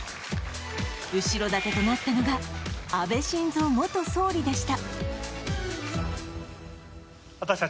後ろ盾となったのが安倍晋三元総理でした。